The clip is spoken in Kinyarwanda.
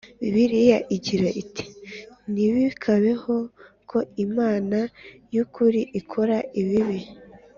Bibiliya igira iti ntibikabeho ko Imana y ukuri ikora ibibi